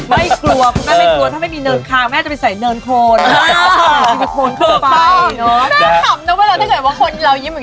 ไม่ปล่อยกลัวถ้าไม่มีเนินคลางจะไปใส่เนินโคลน